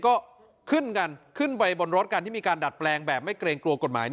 ก็ขึ้นกันขึ้นไปบนรถกันที่มีการดัดแปลงแบบไม่เกรงกลัวกฎหมาย